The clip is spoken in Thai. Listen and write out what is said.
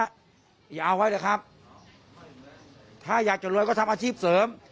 อย่าเอาไว้นะครับถ้าอยากจะรวยก็ทำอาชีพเสริม